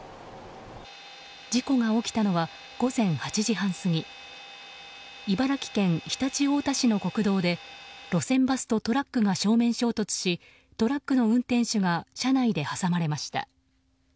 事故が起きたのは午前８時半過ぎ茨城県常陸太田市の国道で路線バスとトラックが正面衝突しトラックの運転手が車内で挟まれました。